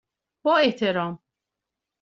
با احترام،